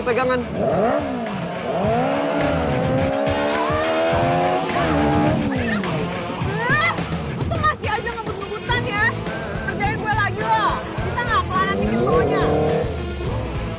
bisa enggak selana tiket bawahnya